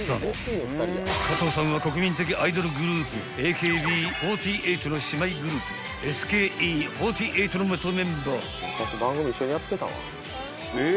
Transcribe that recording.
［加藤さんは国民的アイドルグループＡＫＢ４８の姉妹グループＳＫＥ４８の元メンバー］